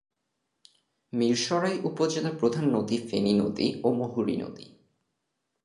মীরসরাই উপজেলার প্রধান নদী ফেনী নদী ও মুহুরী নদী।